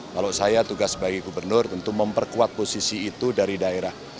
kalau saya tugas sebagai gubernur tentu memperkuat posisi itu dari daerah